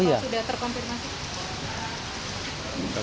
ini apa sudah terkonfirmasi